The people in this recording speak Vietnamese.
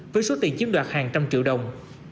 với số tiền chiếm đoạt hàng trăm triệu đồng